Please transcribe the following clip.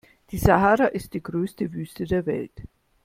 Die Sahara ist die größte Wüste der Welt.